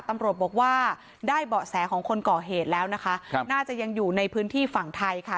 ตำรวจบอกว่าได้เบาะแสของคนก่อเหตุแล้วนะคะครับน่าจะยังอยู่ในพื้นที่ฝั่งไทยค่ะ